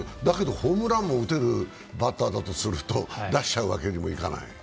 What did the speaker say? ホームラン打てる打者だとすると出しちゃうわけにもいかない？